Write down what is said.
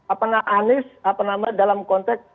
apakah anies apa namanya dalam konteks